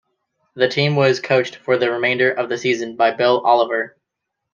The team was coached for the remainder of the season by Bill Oliver.